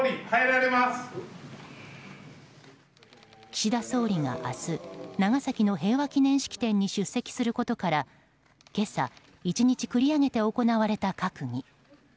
岸田総理が明日長崎の平和祈念式典に出席することから今朝、１日繰り上げて行われた閣議。